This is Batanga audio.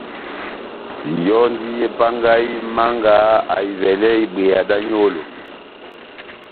Yɔndi epangahi Manga ahivɛle ibweya da nyolo